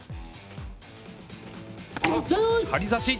張り差し。